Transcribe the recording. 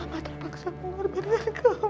mama terpaksa mengorbanin kamu